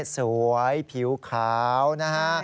สวยผิวขาวนะฮะ